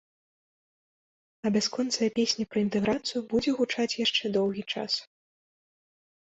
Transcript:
А бясконцая песня пра інтэграцыю будзе гучаць яшчэ доўгі час.